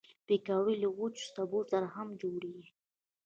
پکورې له وچو سبو سره هم جوړېږي